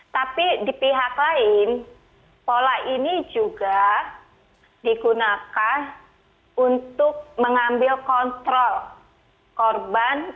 tapi di pihak lain pola ini juga digunakan untuk mengambil kontrol korban